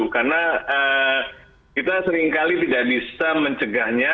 karena kita seringkali tidak bisa mencegahnya